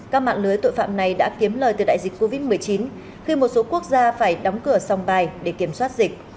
các mạng lưới tội phạm này đã kiếm lời từ đại dịch covid một mươi chín khi một số quốc gia phải đóng cửa song bài để kiểm soát dịch